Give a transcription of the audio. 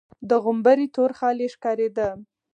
د غومبري تور خال يې ښکارېده.